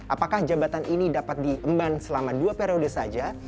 apakah jabatan ini dapat diemban selama dua periode saja